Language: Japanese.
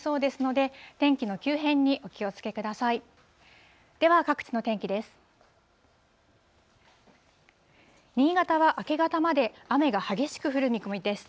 では、各地の天気です。